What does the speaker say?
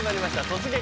「突撃！